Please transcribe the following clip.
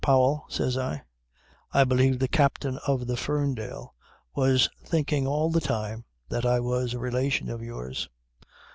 Powell," says I, "I believe the Captain of the Ferndale was thinking all the time that I was a relation of yours."